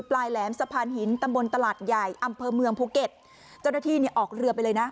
ปลายแหลมสะพานหินตำบลตลาดใหญ่อำเภอเมืองภูเก็ตเจ้าหน้าที่เนี่ยออกเรือไปเลยนะ